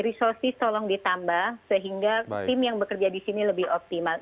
resources tolong ditambah sehingga tim yang bekerja di sini lebih optimal